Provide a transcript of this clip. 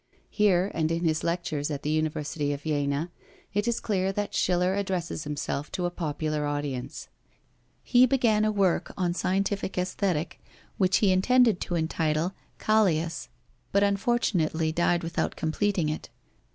Here, and in his lectures at the University of Jena, it is clear that Schiller addresses himself to a popular audience. He began a work, on scientific Aesthetic, which he intended to entitle "Kallias," but unfortunately died without completing it.